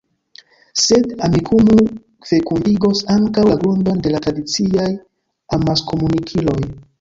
Sed Amikumu fekundigos ankaŭ la grundon de la tradiciaj amaskomunikiloj.